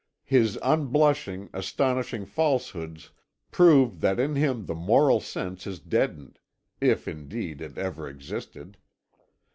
His unblushing, astonishing falsehoods prove that in him the moral sense is deadened, if indeed it ever existed.